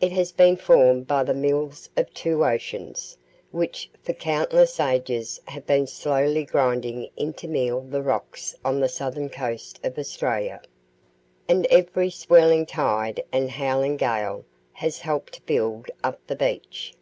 It has been formed by the mills of two oceans, which for countless ages have been slowly grinding into meal the rocks on the southern coast of Australia; and every swirling tide and howling gale has helped to build up the beach.